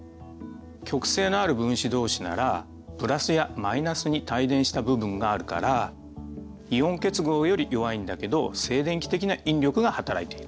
極性のある分子どうしならプラスやマイナスに帯電した部分があるからイオン結合より弱いんだけど静電気的な引力がはたらいている。